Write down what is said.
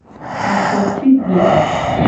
Afotigbe.